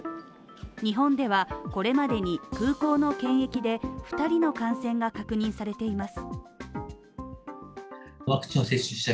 日本ではこれまでに空港の検疫で二人の感染が確認されています